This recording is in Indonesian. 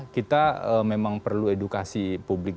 kita memang perlu edukasi publik